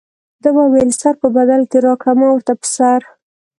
ده وویل سر په بدل کې راکړه ما ورته په سر.